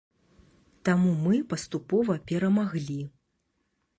Таму мы паступова перамаглі.